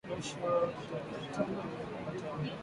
Kesho tutendatu nju ya kukata michi